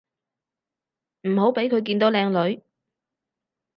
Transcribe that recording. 唔好畀佢見到靚女